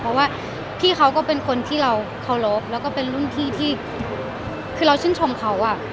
เพราะว่าพี่เขาก็เป็นคนที่เราเคารพแล้วก็เป็นรุ่นพี่ที่คือเราชื่นชมเขาอ่ะ